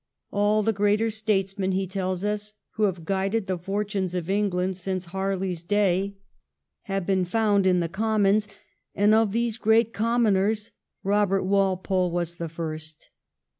' All the greater statesmen,' he tells us, ' who have guided the fortunes of England since Barley's day have been found in the Commons,' and ' Of these great Com moners Eobert Walpole was the first.'